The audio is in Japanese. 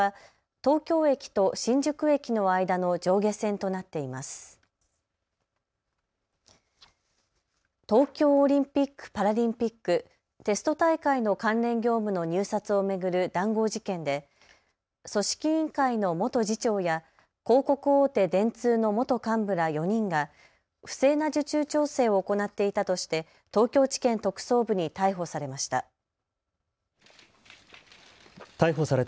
東京オリンピック・パラリンピック、テスト大会の関連業務の入札を巡る談合事件で組織委員会の元次長や広告大手、電通の元幹部ら４人が不正な受注調整を行っていたとして東京地検特捜部に逮捕されました。